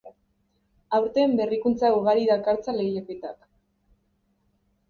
Aurten berrikuntza ugari dakartza lehiaketak.